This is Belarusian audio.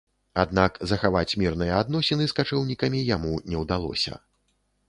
Аднак, захаваць мірныя адносіны з качэўнікамі яму не ўдалося.